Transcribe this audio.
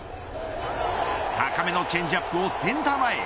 高めのチェンジアップをセンター前へ。